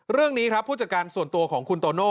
เรื่องนี้ครับผู้จัดการส่วนตัวของคุณโตโน่